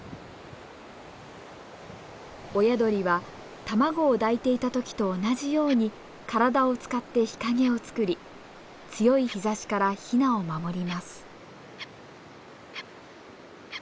親鳥は卵を抱いていた時と同じように体を使って日陰を作り強い日ざしからヒナを守ります。